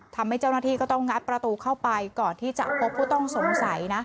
ทำให้เจ้าหน้าที่ก็ต้องงัดประตูเข้าไปก่อนที่จะพบผู้ต้องสงสัยนะ